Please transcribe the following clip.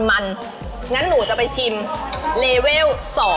งั้นหนูจะไปชิมเลเวล๒